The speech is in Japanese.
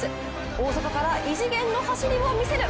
大外から異次元の走りをみせる。